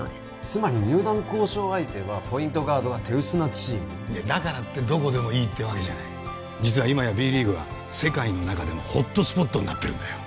つまり入団交渉相手はポイントガードが手薄なチームだからってどこでもいいってわけじゃない実は今やＢリーグは世界の中でもホットスポットになってるんだよ